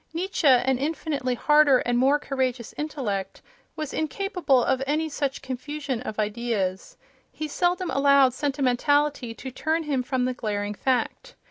Nietzsche, an infinitely harder and more courageous intellect, was incapable of any such confusion of ideas; he seldom allowed sentimentality to turn him from the glaring fact.